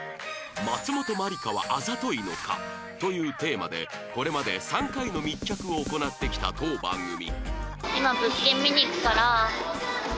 松本まりかはあざといのか？というテーマでこれまで３回の密着を行ってきた当番組